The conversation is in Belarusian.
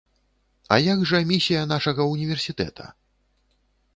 А як жа місія нашага ўніверсітэта?